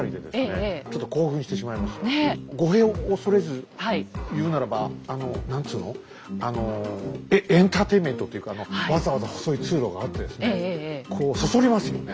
語弊を恐れず言うならばあの何つのあのエンターテインメントっていうかわざわざ細い通路があってですねこうそそりますよね。